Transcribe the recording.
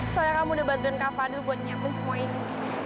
soalnya kamu udah bantuin kak fadil buat nyamukmu ini